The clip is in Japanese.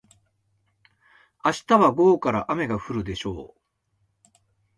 明日は午後から雨が降るでしょう。